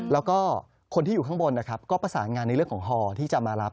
แล้วก็คนที่อยู่ข้างบนนะครับก็ประสานงานในเรื่องของฮอที่จะมารับ